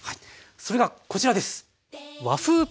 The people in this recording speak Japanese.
それがこちらです！